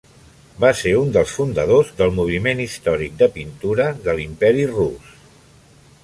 Va ser un dels fundadors del moviment històric de pintura de l'Imperi Rus.